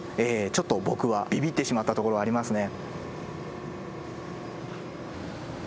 ちょっと僕はビビってしまったところはありますね。